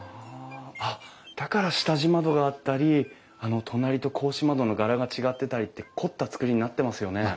あっだから下地窓があったり隣と格子窓の柄が違ってたりって凝った造りになってますよね。